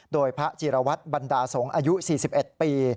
โดยพระจีรวัตรบรรดาสงฆ์อายุ๔๑ปี